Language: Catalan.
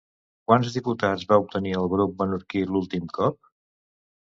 Quants diputats va obtenir el grup menorquí l'últim cop?